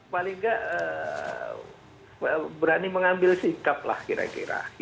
paling nggak berani mengambil sikap lah kira kira